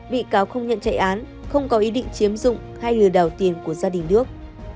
bị cáo không nhận chạy án không có ý định chiếm dụng hay lừa đảo tiền của gia đình nước